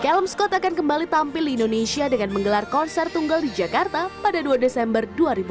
calm scott akan kembali tampil di indonesia dengan menggelar konser tunggal di jakarta pada dua desember dua ribu dua puluh